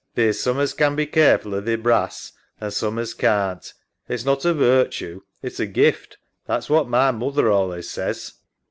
Theer's some as can be careful o' theer brass an' some as can't. It's not a virtue, it's a gift. That's what my moother allays says.